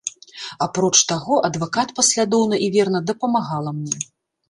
Апроч таго, адвакат паслядоўна і верна дапамагала мне.